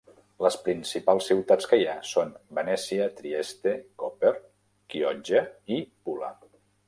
Les principals ciutats que hi ha són Venècia, Trieste, Koper, Chioggia i Pula.